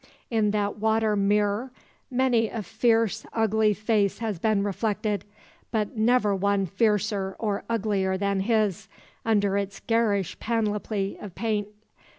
In that water mirror many a fierce ugly face has been reflected but never one fiercer or uglier than his, under its garish panoply of paint.